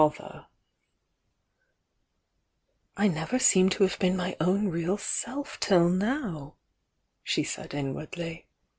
THE VOirxc; DIANA io:i "I never seem to have been my own r^al self till now!" she said inwardly.